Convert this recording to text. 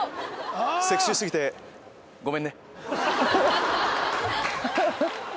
セクシー過ぎてごめんね。